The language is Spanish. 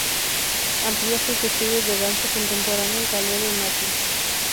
Amplia sus estudios de danza contemporánea y ballet en Madrid.